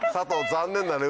残念だね